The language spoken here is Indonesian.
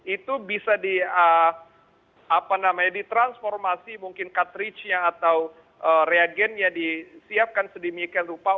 itu bisa ditransformasi mungkin cartridge nya atau reagent nya disiapkan sedemikian rupa